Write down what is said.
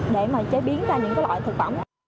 để mà chế biến ra những loại thực phẩm